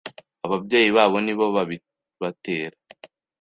ababyeyi babo nibo babibatera